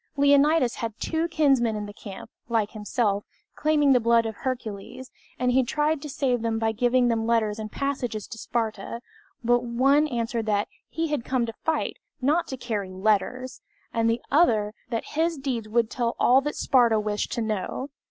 Leonidas had two kinsmen in the camp, like himself, claiming the blood of Hercules, and he tried to save them by giving them letters and messages to Sparta; but one answered that "he had come to fight, not to carry letters;" and the other, that "his deeds would tell all that Sparta wished to know."